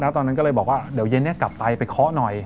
ตอนนั้นก็เลยบอกว่าเดี๋ยวเย็นนี้กลับไปไปเคาะหน่อย